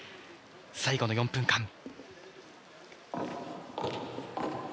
最後の４分間。